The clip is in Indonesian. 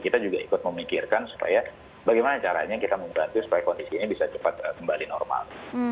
kita juga ikut memikirkan supaya bagaimana caranya kita membantu supaya kondisi ini bisa cepat kembali normal